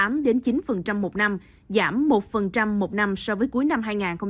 một năm giảm một một năm so với cuối năm hai nghìn hai mươi hai